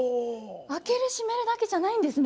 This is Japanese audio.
開ける閉めるだけじゃないんですね？